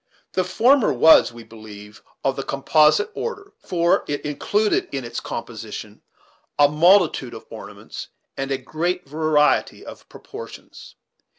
The former was, we believe, of the composite order; for it included in its composition a multitude of ornaments and a great variety of proportions.